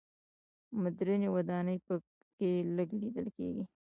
مډرنې ودانۍ په کې لږ لیدل کېږي.